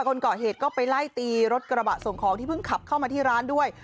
คนก่อเหตุก็ไปไล่ตีรถกระบะส่งของที่เพิ่งขับเข้ามาที่ร้านด้วย